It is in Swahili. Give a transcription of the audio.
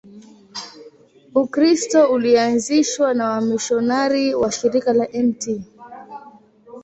Ukristo ulianzishwa na wamisionari wa Shirika la Mt.